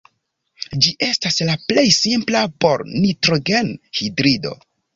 Ĝi estas la plej simpla bor-nitrogen-hidrido.